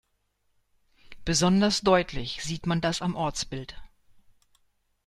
Besonders deutlich sieht man das am Ortsbild.